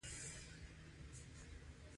موزیک د کلتور هنداره ده.